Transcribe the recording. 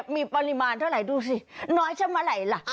มีปริมาณเท่าไหร่ดูสิน้อยแค่เมื่อไหร่ล่ะ